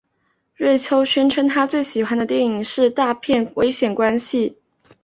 瑞秋宣称他最喜欢的电影是大片危险关系。